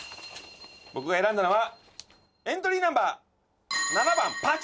僕が選んだのはエントリーナンバー７番「パチンッ」でございます。